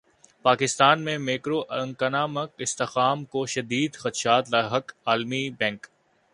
پاکستان میں macro economic استحکام کو شدید خدشات لاحق عالمی بینک